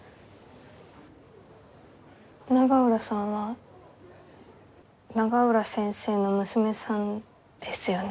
永浦さんは永浦先生の娘さんですよね？